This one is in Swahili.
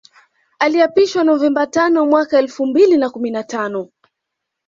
Aliapishwa Novemba tanowaka elfu mbili na kumi na tano